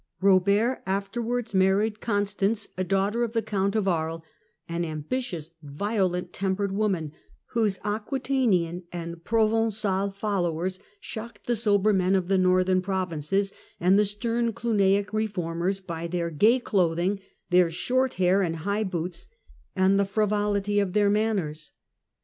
Robert afterwards married Constance, a daughter of the Count of Aries, an ambitious, violent tempered woman, whose Aquitanian and Pro vencal followers shocked the sober men of the northern provinces and the stern Cluniac reformers by their gay clothing, their short hair and high boots, and the frivolity FRANCE UNDER CAROLINGIANS AND CAPETIANS 49 of their manners.